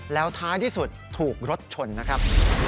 แล้วท้ายที่สุดถูกรถชนนะครับ